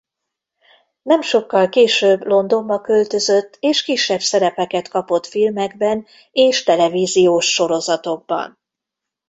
Nem sokkal később Londonba költözött és kisebb szerepeket kapott filmekben és televíziós sorozatokban.